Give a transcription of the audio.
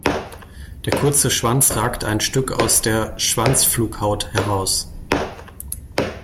Der kurze Schwanz ragt ein Stück aus der Schwanzflughaut heraus.